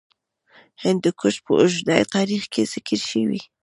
هندوکش په اوږده تاریخ کې ذکر شوی.